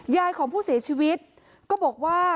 ยายของผู้เสียชีวิตก็บอกว่า